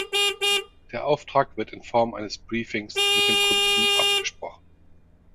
Der Auftrag wird in Form eines Briefings mit dem Kunden abgesprochen.